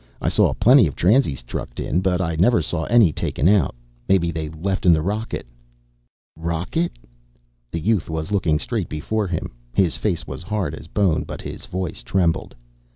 I saw plenty of transies trucked in, but I never saw any taken out. Maybe they left in the rocket." "Rocket?" The youth was looking straight before him. His face was hard as bone, but his voice trembled.